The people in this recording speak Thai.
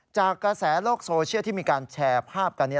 จากกระแสโลกโซเชียลที่มีการแชร์ภาพกัน